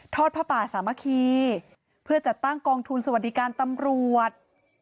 ผ้าป่าสามัคคีเพื่อจัดตั้งกองทุนสวัสดิการตำรวจ